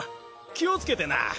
気をつけてな。